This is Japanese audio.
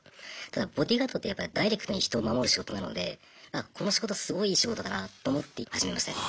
ただボディーガードってダイレクトに人を守る仕事なのでこの仕事すごいいい仕事だなと思って始めましたね。